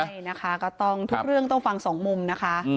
ใช่นะคะก็ต้องทุกเรื่องต้องฟังสองมุมนะคะ